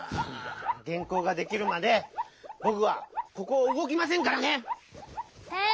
げんこうができるまでぼくはここをうごきませんからね！